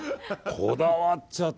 こだわっちゃって。